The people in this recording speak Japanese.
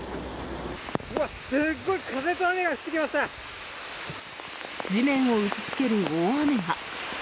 うわ、すごい風と雨が降って地面を打ちつける大雨が。